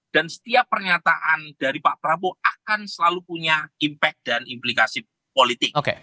dan setiap pernyataan dari pak prabowo akan selalu punya impact dan implikasi politik